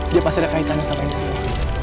dia pasti ada kaitannya sama ini semua